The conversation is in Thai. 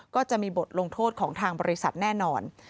ก็จะมีบทลงโทษของทางบริษัทแน่นอน